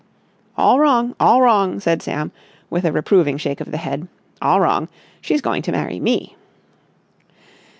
"All wrong! All wrong!" said Sam, with a reproving shake of the head. "All wrong! She's going to marry me."